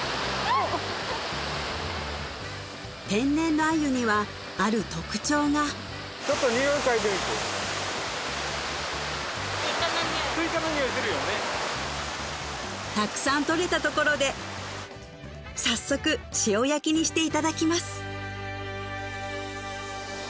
おお天然の鮎にはある特徴がスイカのにおいするよねたくさん獲れたところで早速塩焼きにしていただきます